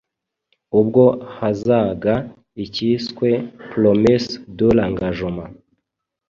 ubwo hazaga icyiswe ‘Promesse de l’Angagement